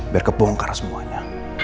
biar kebongkar semuanya